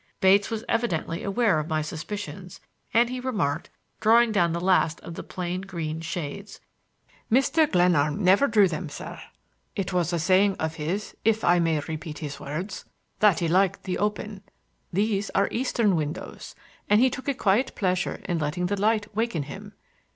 Bates was evidently aware of my suspicions, and he remarked, drawing down the last of the plain green shades: "Mr. Glenarm never drew them, sir. It was a saying of his, if I may repeat his words, that he liked the open. These are eastern windows, and he took a quiet pleasure in letting the light waken him.